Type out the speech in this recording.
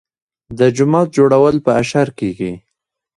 د جومات جوړول په اشر کیږي.